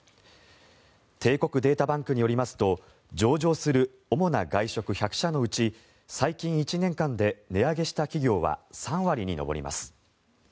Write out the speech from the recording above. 帝国データバンクによりますと上場する主な外食１００社のうち最近１年間で値上げした企業は３割に上ります。